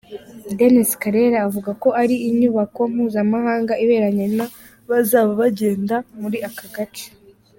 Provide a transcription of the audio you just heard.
Dennis Karera avuga ko ari inyubako mpuzamahanga, iberanye n’abazaba bagenda muri aka gace.